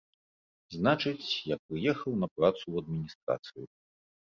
Значыць, я прыехаў на працу ў адміністрацыю.